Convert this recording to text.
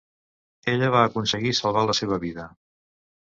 Ella va aconseguir salvar la seva vida.